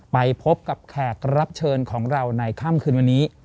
ไปพบกับแขกรับเชิญของเราในค่ำคืนวันนี้